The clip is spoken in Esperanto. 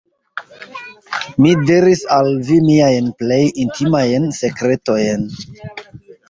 Mi diris al vi miajn plej intimajn sekretojn.